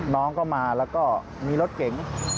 น้องก็มาแล้วก็มีรถเก๋ง